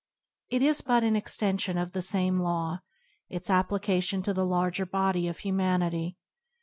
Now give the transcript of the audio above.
It is but an extension of the same law; its applica tion to the larger body of humanity.